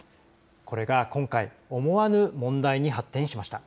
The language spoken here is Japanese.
これが今回、思わぬ問題に発展しました。